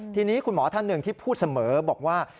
ทีนี้คุณหมอท่านหนึ่งที่พูดเสมอบอกว่า